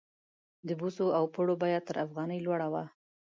د بوسو او پړو بیه تر افغانۍ لوړه وه.